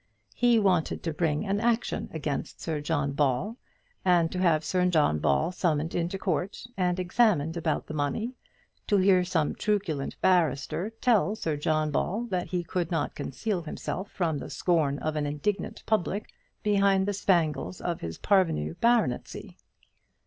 He wanted to bring an action against Sir John Ball, to have Sir John Ball summoned into court and examined about the money, to hear some truculent barrister tell Sir John Ball that he could not conceal himself from the scorn of an indignant public behind the spangles of his parvenu baronetcy.